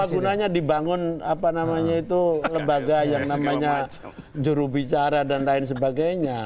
apa gunanya dibangun apa namanya itu lembaga yang namanya jurubicara dan lain sebagainya